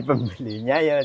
pembelinya sepi gitu ya pak